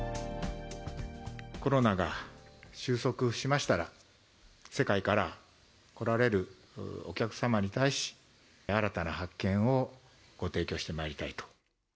コロナが収束しましたら、世界から来られるお客様に対し、新たな発見をご提供してまいりたいと。